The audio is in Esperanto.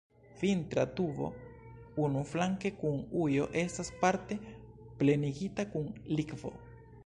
Vitra tubo unuflanke kun ujo estas parte plenigita kun likvo.